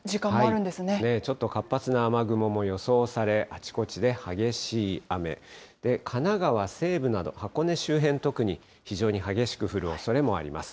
ちょっと活発な雨雲も予想され、あちこちで激しい雨、神奈川西部など、箱根周辺、特に非常に激しく降るおそれもあります。